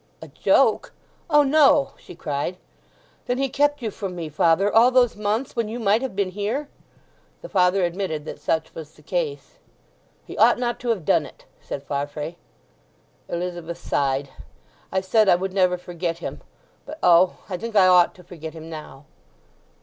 "A joke?—O no!" she cried. "Then he kept you from me, father, all those months, when you might have been here?" The father admitted that such was the case. "He ought not to have done it!" said Farfrae. Elizabeth sighed. "I said I would never forget him. But O! I think I ought to forget him now!"